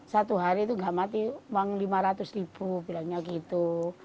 satu hari itu gak mati uang lima ratus ribu bilangnya gitu